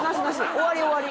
終わり終わり！